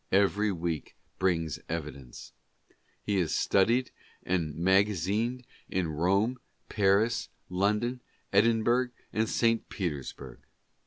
Every week brings evidence. He is studied and magazined at Rome, Paris, London, Edinburgh and St. Peters burg.